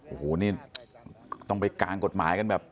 โอ้โหนี่ต้องไปกางกฎหมายกันแบบ